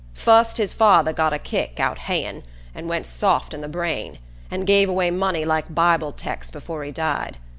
Fust his father got a kick, out haying, and went soft in the brain, and gave away money like Bible texts afore he died.